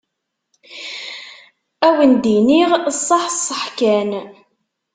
Ad awen-d-iniɣ saḥ saḥ kan